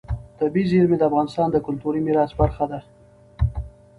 طبیعي زیرمې د افغانستان د کلتوري میراث برخه ده.